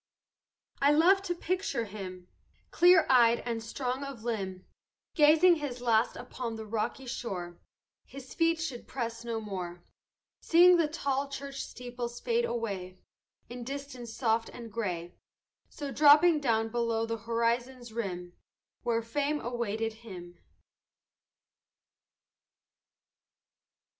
"I love to picture him, Clear eyed and strong of limb, Gazing his last upon the rocky shore His feet should press no more; Seeing the tall church steeples fade away In distance soft and gray; So dropping down below the horizon's rim Where fame awaited him.